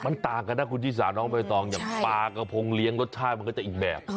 มันต่างกันนะคุณชิสาน้องใบตองอย่างปลากระพงเลี้ยงรสชาติมันก็จะอีกแบบ